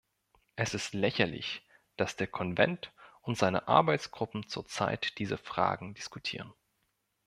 Es ist lächerlich, dass der Konvent und seine Arbeitsgruppen zurzeit diese Fragen diskutieren.